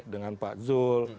dengan pak zul